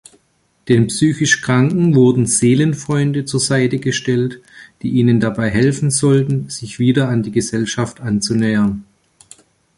Den psychisch Kranken wurden „Seelenfreunde“ zur Seite gestellt, die ihnen dabei helfen sollten, sich wieder an die Gesellschaft anzunähern.